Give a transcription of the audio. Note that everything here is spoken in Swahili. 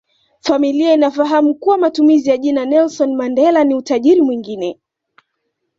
Familia inafahamu kuwa matumizi ya jina Nelson Mandela ni utajiri mwingine